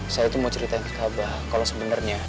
saya tuh mau ceritain ke abah kalau sebenernya